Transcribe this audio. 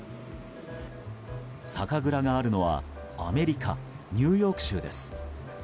酒蔵があるのはアメリカ・ニューヨーク州です。